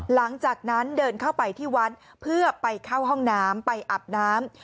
หลังจากนั้นเดินเข้าไปที่วัดเพื่อไปเข้าห้องน้ำไปอาบน้ำ